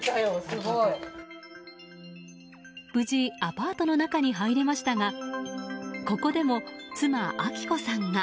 無事、アパートの中に入れましたがここでも妻・明子さんが。